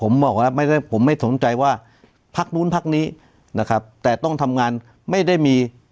ไม่ได้สนใจว่าพักนู้นพักนี้นะครับแต่ต้องทำงานไม่ได้มี